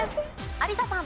有田さん。